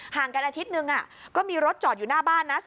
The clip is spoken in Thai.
กันอาทิตย์หนึ่งก็มีรถจอดอยู่หน้าบ้านนะ